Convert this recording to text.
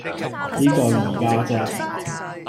呢個二家姐